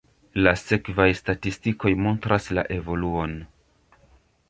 La sekvaj statistikoj montras la evoluon.